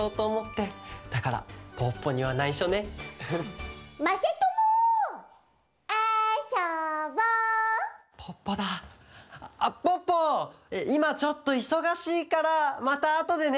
ポッポいまちょっといそがしいからまたあとでね！